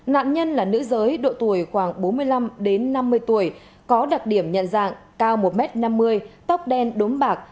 nạn nhân là nữ giới độ tuổi khoảng bốn mươi năm đến năm mươi tuổi có đặc điểm nhận dạng cao một m năm mươi tóc đen đốm bạc